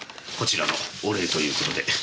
こちらのお礼という事で。